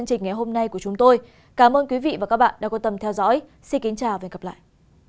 xin chào và hẹn gặp lại